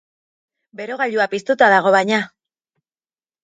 Berogailua piztuta dago, baina!